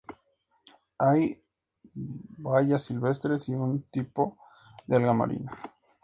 Hay bayas silvestres y un tipo de alga marina.